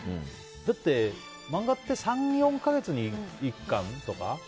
だって、漫画って３４か月に１巻とか？